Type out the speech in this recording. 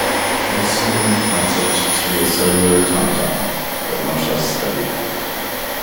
It is similar in concept to a cellular automaton, but much less studied.